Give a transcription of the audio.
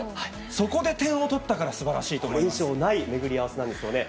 そこで点を取ったからすばらしいこれ以上ない巡り合わせなんですよね。